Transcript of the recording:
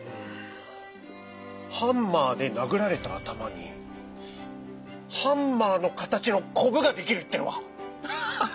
ハンマーで殴られた頭にハンマーの形のこぶができるっていうのは？